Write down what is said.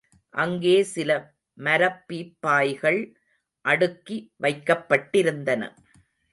அங்கே சில மரப்பீப்பாய்கள் அடுக்கி வைக்கப்பட்டிருந்தன.